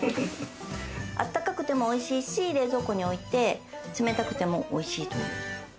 温かくても美味しいし、冷蔵庫に置いて冷たくてもおいしいという。